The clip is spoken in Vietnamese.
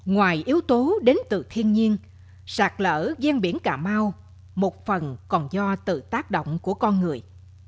ngoài yếu tố đến từ thiên nhiên sạc lỡ gian biển cà mau một phần còn do tự tác động của con người